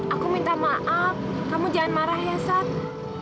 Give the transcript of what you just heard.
aku minta maaf kamu jangan marah ya sat